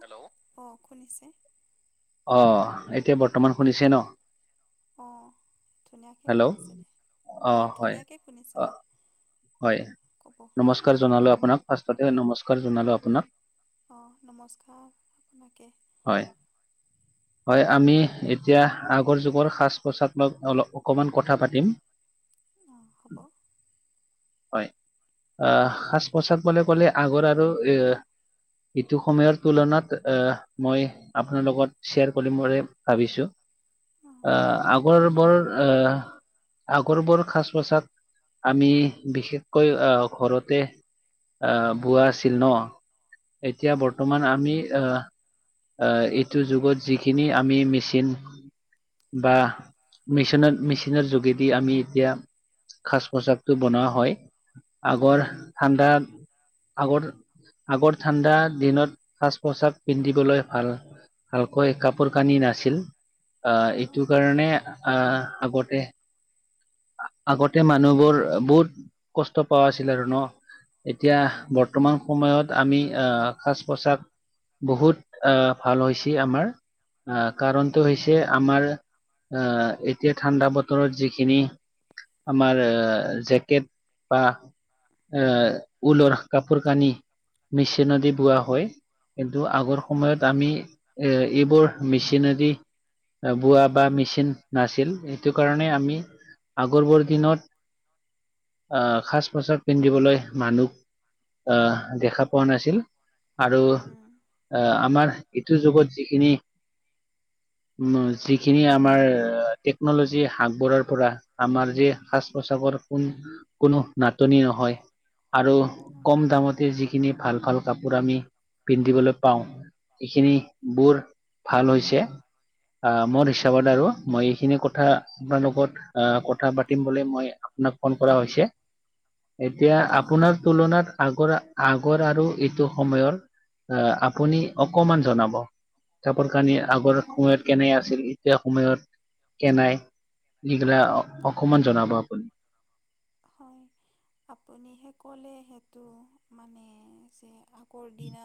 Hello, অ শুনিছে? অ এতিয়া বৰ্তমান শুনিছে ন? অ ধুনীয়াকে হেল্ল' শুনিছিলে, অ ধুনীয়াকে অ শুনিছিলে। হয়, নমস্কাৰ জনালো আপোনাক ফাষ্টতটে নমস্কাৰ জনালো আপোনাক। অঁ নমস্কাৰ আপোনাকে। হয় - হয় আমি এতিয়া আগৰ যুগৰ সাজ পোছাকলৈ অলপ কমান কথা পাতিম। অঁ হ'ব। হয় আহ সাজ - পোচাক বুলিলে ক'লে আগৰ আৰু এ ইটো সময়ৰ তুলনাত আহ মই আপোনাৰ লগত শ্বেয়াৰ কৰিম বুলি ভাবিছো? অঁ আ হ'ব আগৰ বৰ আ আগৰবোৰ সাজ - পোছাক আমি বিশেষকৈ আহ ঘৰতে আহ বোৱা আছিল ন, এতিয়া হয় বৰ্তমান আমি আ আ এইটো যুগত যিখিনি আমি মেচিন বা মেচিনৰ - মেচিনৰ যোগেদি আমি এতিয়া সাজ - পোছাকটো বনোৱা হয়, আগৰ ঠাণ্ডা আগৰ আগৰ ঠাণ্ডা দিনত সাজ - পোছাক পিন্ধিবলৈ ভাল। ভালকৈ কাপোৰ কানি নাছিল আহ এইটো হয় কাৰণে আ আগতেই আ আগতে মানুহবোৰ বহুত কষ্ট পোৱা আছিল আৰু ন। হয় এতিয়া হয় হয় বৰ্তমান সময়ত আমি আহ সাজ - পোছাক বহুত আহ ভাল হৈছি আমাৰ। আ উম কাৰণটো হৈছে আমাৰ আ এতিয়া ঠাণ্ডা বতৰত যিখিনি আমাৰ জেকেট বা আহ ঊলৰ কাপোৰ কানি মিচিনদী বোৱা হয়। কিন্তু আগৰ হয় সময়ত আমি এ এইবোৰ মেচিনদি আ বোৱা বা মেচিন নাছিল সেইটো কাৰণে আমি আগৰবৰ দিনত আ সাজ - পোছাক পিন্ধিবলৈ মানুহ আহ দেখা পোৱা নাছিল আৰু উম আহ আমাৰ এইটো যুগত যিখিনি উম যিখিনি আমাৰ আ টেকনলজি আগবঢ়াৰ পৰা আমাৰ যে সাজ পোছাকৰ কোন কোনো নাটনি নহয় আৰু হয় কম দামত তে যিখিনি ভাল - ভাল কাপোৰ আমি পিন্ধিবলৈ পাওঁ এইখিনি বুৰ ভাল হৈছে। ভাল হৈছে, আহ মোৰ আ হিচাপত আৰু মোৰ মই এইখিনি কথা আমাৰ লগত কথা পাতিম মই আপোনাক ফোন কৰা হৈছে? এতিয়া হয় আপোনাৰ হয় তুলনাত আগৰ - আগৰ আৰু এইটো সময়ৰ আ আপুনি অকমান জনাব? চাপৰ কানি আগৰ অঁ সময়ত কেনে আছিল এতিয়া সময়ত কেনাই সিগিলাক অ অকমান জনাব আপুনি? হয়। আপুনি সে ক'লে সেইটো মানে যে আগৰ দিনা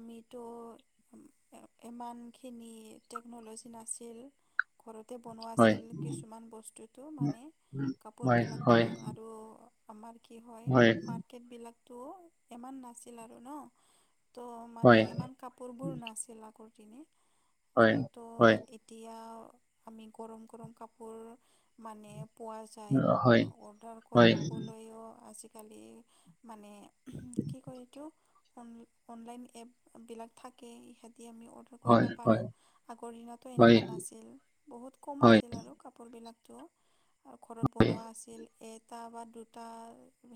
আমিতো উম এ এমানখিনি টেকন'ল'জি নাছিল ঘৰতে বনোৱা হয় আছিল কিছুমান বস্তুটো মানে হয় কাপোৰবিলাকতো হয় আৰু আমাৰ কি হয় মাৰ্কেটবিলাকতো ইমান নাছিল আৰু ন। তো মানে হয় ইমান কাপোৰবোৰ নাছিল আগৰ দিনে। হয় আৰু তো হয় এতিয়াও আমি গৰম গৰম কাপোৰ মানে পোৱা যায়। হয় অৰ্ডাৰ হয় হয় কৰিবলৈও আজি-কালি মানে কি কয় এইটো? অন অনলাইন এপবিলাক থাকে ইহঁতি আমি অ কৰিব হয় পাৰো। আগৰ দিনতো হয় এনেকুৱা নাছিল। বহুত কম হয় আছিল আৰু। কাপোৰবিলাকতো আৰু ঘৰত বনোৱা আছিল। এটা বা দুটা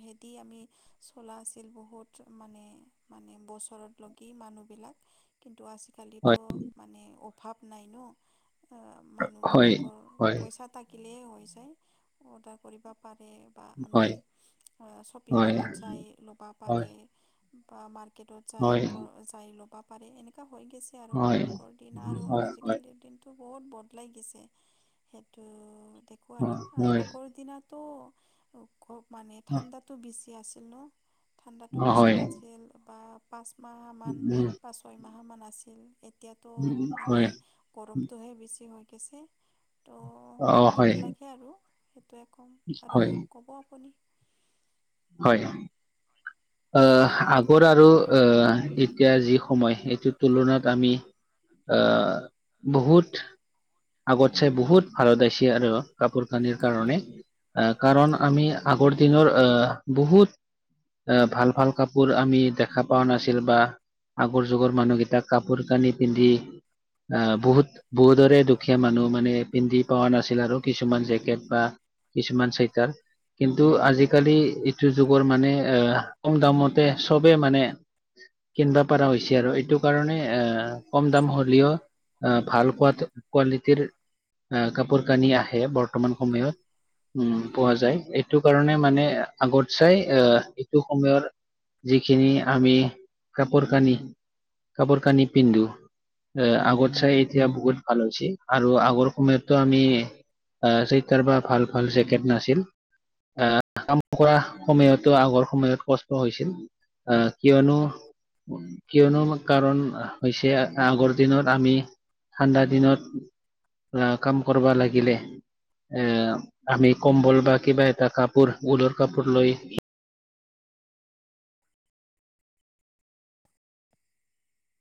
হেদি আমি চলা আছিল বহুত মানে মানে বছৰত লগি মানুহবিলাক কিন্তু আ কালিতো মানে অভাৱ নাই ন? আ হয় মানুহবিলাকৰ হয় পইচাত থাকিলেই হৈ যায়, অৰ্ডাৰ কৰিব পাৰে। বা আমি হয় আ শ্বপিং হয় হয় হয় হয় হয় মলত যাই লবা পাৰে বা মাৰ্কেটত যাই হয় হয় প যাই ল'বা পাৰে এনেকুৱা হৈ গৈছে আৰু হয় আগৰ দিনা আৰু আজি-কালিৰ দিন টো বহুত বদলাই গৈছে। সেইটো দেখো আৰু আৰু আগৰ দিনত তো মানে ঠাণ্ডাটো বেছি আছিল ন। ঠাণ্ডাটো বেছি হয় লাগছিল। বা পাঁচ মাহমান, উম ছয় মাহমান আছিল। এ এতিয়াতো উম, মানে হয় গৰমটোহে বেছি হৈ গৈছে। ত অ হয় এইবিলাকে আৰু সেইটোৱে ক'ম আৰু হয় ক'ব আপুনি। হয়। আ আ হয় আগৰ আৰু আ এতিয়া যি সময় সেইটোৰ তুলনাত আমি আ বহুত আগত চাই বহুত ভাৰত আইছি আৰু কাপোৰ-কানিৰ কাৰণে। আ কাৰণ হয় আমি আগৰ দিনৰ আ বহুত আ ভাল ভাল কাপোৰ আমি দেখা পোৱা নাছিল বা আগৰ যুগৰ মানুহকেইটাক কাপোৰ কানি পিন্ধি আহ বহুত বহুতৰে দুখ দুখীয়া মানুহ মানে পিন্ধি পোৱা নাছিল আৰু কিছুমান জেকেট বা কিছুমান চুৱেটাৰ। কিন্তু আজি-কালি এ যুগৰ মানে আ কম দামতে চবে মানে কিনবা পাৰা হৈছে আৰু এইটো কাৰণে এ কম দাম হৈছে হ'লিও আ ভাল কোৱাত কোৱালিটিৰ আ কাপোৰ-কানি আহে ব তমান সময়ত উম পোৱা যায়, এইটো কাৰণে মানে আগত চাই আ এইটো সময়ৰ যিখিনি আমি কাপোৰ-কানি, কাপোৰ কানি পিন্ধো আ আগত চাই এতিয়া বহুত ভাল হৈছি আৰু আগৰ সময়ততো আমি আ চুইটাৰ বা ভাল ভাল জেকেট নাছিল আ কৰা সময়তো আগৰ সময়ত কষ্ট হৈছিল। আ কিয়নো কিয়নো কাৰণ হৈছে আগৰ দিনত আমি ঠাণ্ডা দিনত আ কাম কৰবা লাগিলে এ আমি কম্বল বা কিবা এটা কাপোৰ ঊলৰ কাপোৰ লৈ [inaudible]